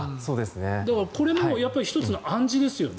だから、これもやっぱり１つの暗示ですよね。